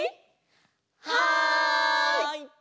はい！